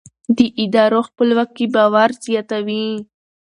د ادارو خپلواکي باور زیاتوي